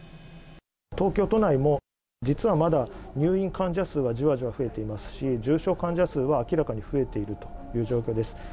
東京都内も、実はまだ、入院患者数はじわじわ増えていますし、重症患者数は明らかに増えているという状況です。